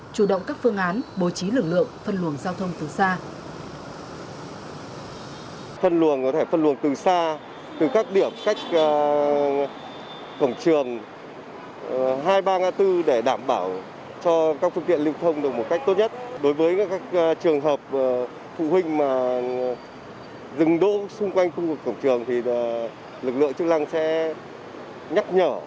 chủ động các phương án bồi trí lực lượng phân luồng giao thông từ xa